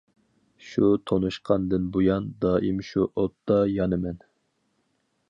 شۇ تونۇشقاندىن بۇيان، دائىم شۇ ئوتتا يانىمەن.